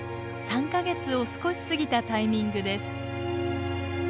３か月を少し過ぎたタイミングです。